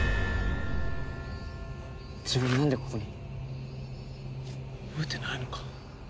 自分なんでここに？覚えてないのか？